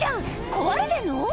壊れてんの？